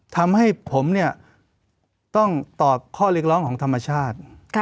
ทำให้ผมเนี่ยต้องตอบข้อเรียกร้องของธรรมชาติ